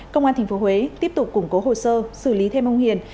công an tp huế tiếp tục củng cố hồ sơ xử lý thêm ông hiền